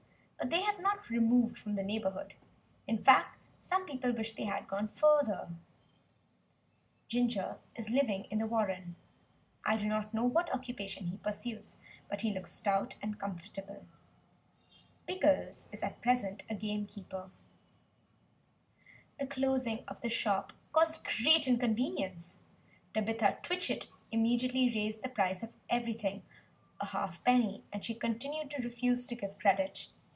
But they have not removed from the neighbourhood. In fact some people wish they had gone further. Ginger is living in the warren. I do not know what occupation he pursues; he looks stout and comfortable. Pickles is at present a gamekeeper. The closing of the shop caused great inconvenience. Tabitha Twitchit immediately raised the price of everything a half penny; and she continued to refuse to give credit.